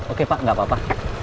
oke pak nggak apa apa